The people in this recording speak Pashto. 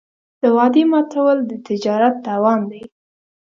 د وعدې ماتول د تجارت تاوان دی.